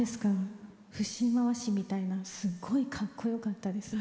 節回しみたいなすっごいかっこよかったですね。